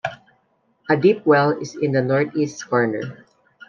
A deep well is in the northeast corner.